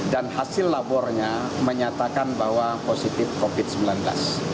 dan hasil labornya menyatakan bahwa positif covid sembilan belas